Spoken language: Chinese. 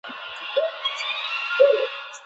疏受为太子太傅疏广之侄。